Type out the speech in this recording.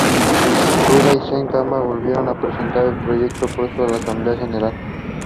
The Navy developed the Aerobee and Viking rockets.